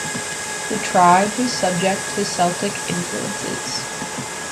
The tribe was subject to Celtic influences.